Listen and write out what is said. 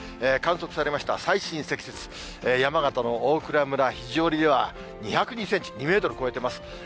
観測されました最新積雪、山形の大蔵村肘折では、２０２センチ、２メートル超えてます。